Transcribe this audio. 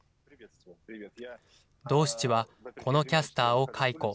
ドーシチはこのキャスターを解雇。